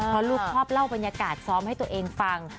เพราะลูกชอบเล่าบรรยากาศซ้อมให้ตัวเองฟัง